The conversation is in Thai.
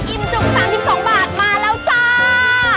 จุก๓๒บาทมาแล้วจ้า